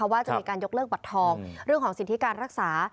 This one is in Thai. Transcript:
ว่าจะมีการยกเลิกบัตรทองเรื่องของสิทธิการรักษา